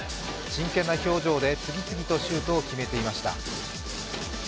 真剣は表情で次々とシュートを決めていました。